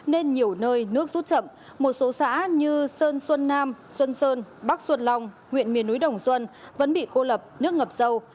nên nhiều nơi nước rút chậm một số xã như sơn xuân nam xuân sơn bắc xuân long huyện miền núi đồng xuân vẫn bị cô lập nước ngập sâu